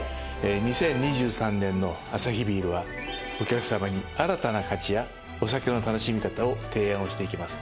２０２３年のアサヒビールはお客さまに新たな価値やお酒の楽しみ方を提案していきます。